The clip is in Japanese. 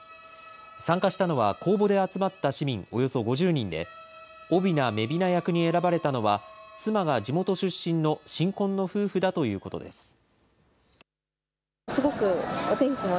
参加したのは公募で集まった市民およそ５０人で、おびな・女びな役に選ばれたのは、妻が地元出身の新婚の夫婦だということです。